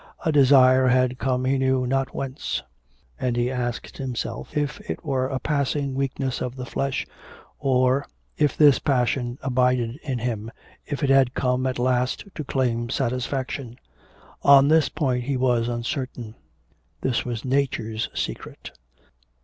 A desire had come he knew not whence; and he asked himself if it were a passing weakness of the flesh, or if this passion abided in him, if it had come at last to claim satisfaction? On this point he was uncertain, this was nature's secret.